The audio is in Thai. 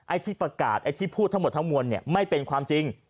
ที่ประกาศไอ้ที่พูดทั้งหมดทั้งมวลเนี่ยไม่เป็นความจริง